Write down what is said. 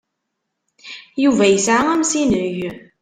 Yuba yesɛa amsineg.